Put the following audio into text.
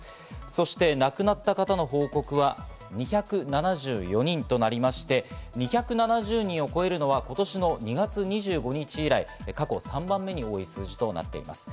そして亡くなった方の報告は２７４人となりまして、２７０人を超えるのは今年の２月２５日以来、過去３番目に多い数字となっています。